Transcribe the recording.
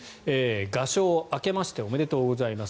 賀正明けましておめでとうございます